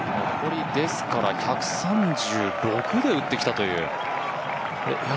残り１３６で打ってきたという。